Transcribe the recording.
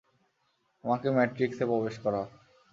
আমাকে ম্যাট্রিক্সে প্রবেশ করাও।